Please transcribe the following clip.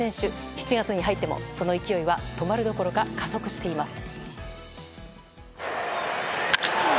７月に入ってもその勢いは止まるどころか加速しています。